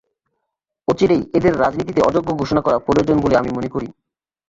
অচিরেই এদের রাজনীতিতে অযোগ্য ঘোষণা করা প্রয়োজন বলে আমি মনে করি।